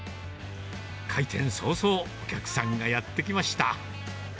開店早々、お客さんがやって来ました。